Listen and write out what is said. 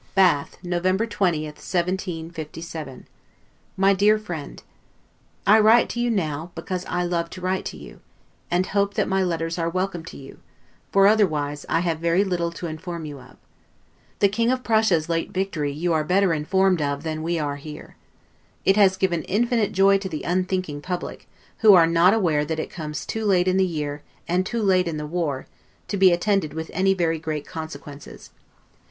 Adieu. LETTER CCXIII BATH, November 20, 1757 MY DEAR FRIEND: I write to you now, because I love to write to you; and hope that my letters are welcome to you; for otherwise I have very little to inform you of. The King of Prussia's late victory you are better informed, of than we are here. It has given infinite joy to the unthinking public, who are not aware that it comes too late in the year and too late in the war, to be attended with any very great consequences.